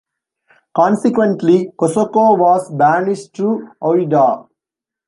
Consequently, Kosoko was banished to Ouidah.